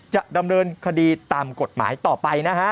จะดำเนินคดีตามกฎหมายต่อไปนะฮะ